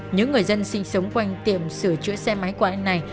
những người dân sinh sống quanh tiệm sửa chữa xe máy của anh này